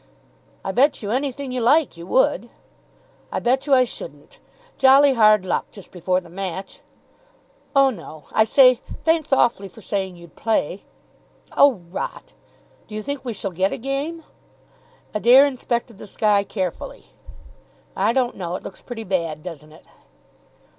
"I bet you anything you like you would." "I bet you I shouldn't.... Jolly hard luck, just before the match." "Oh, no.... I say, thanks awfully for saying you'd play." "Oh, rot.... Do you think we shall get a game?" Adair inspected the sky carefully. "I don't know. It looks pretty bad, doesn't it?"